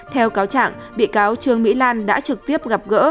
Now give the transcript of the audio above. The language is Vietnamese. theo cáo trạng bị cáo trương mỹ lan đã trực tiếp gặp gỡ